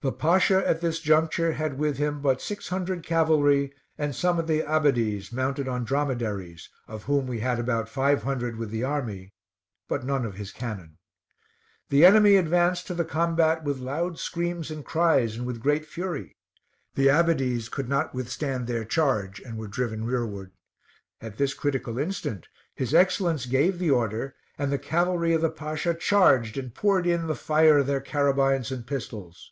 The Pasha at this juncture had with him but six hundred cavalry and some of the Abbadies mounted on dromedaries, of whom we had about five hundred with the army, but none of his cannon. The enemy advanced to the combat with loud screams and cries, and with great fury. The Abbadies could not withstand their charge, and were driven rearward. At this critical instant, his Excellence gave the order, and the cavalry of the Pasha charged and poured in the fire of their carabines and pistols.